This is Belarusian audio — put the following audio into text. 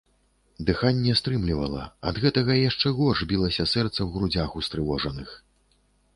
Дыханне стрымлівала, ад гэтага яшчэ горш білася сэрца ў грудзях устрывожаных.